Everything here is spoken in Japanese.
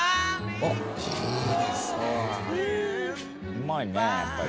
うまいね、やっぱり。